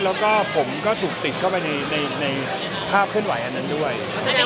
แล้วก็ผมก็ถูกติดเข้าไปในภาพเคลื่อนไหวอันนั้นด้วย